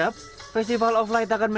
pengalaman di jakarta